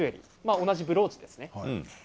おなじブローチですね。